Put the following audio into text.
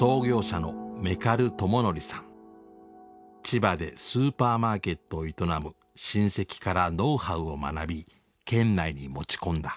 千葉でスーパーマーケットを営む親戚からノウハウを学び県内に持ち込んだ。